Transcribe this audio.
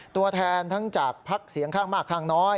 ตัวแทนทั้งจากภักดิ์เสียงข้างมากข้างน้อย